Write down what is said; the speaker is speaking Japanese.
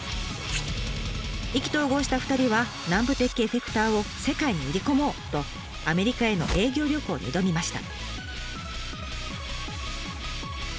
意気投合した２人は南部鉄器エフェクターを世界に売り込もうとアメリカへの営業旅行に挑みました。